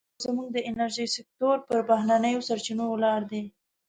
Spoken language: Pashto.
لا هم زموږ د انرژۍ سکتور پر بهرنیو سرچینو ولاړ دی.